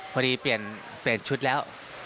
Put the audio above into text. พอดีเปลี่ยนชุดแล้ว